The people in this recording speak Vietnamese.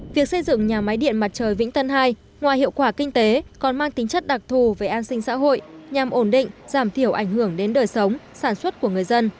việc xây dựng nhà máy điện mặt trời vĩnh tân hai ngoài hiệu quả kinh tế còn mang tính chất đặc thù về an sinh xã hội nhằm ổn định giảm thiểu ảnh hưởng đến đời sống sản xuất của người dân